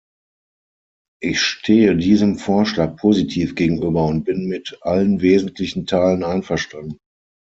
Ich stehe diesem Vorschlag positiv gegenüber und bin mit allen wesentlichen Teilen einverstanden.